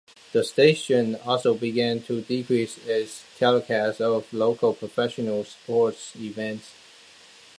The station also began to decrease its telecasts of local professional sports events.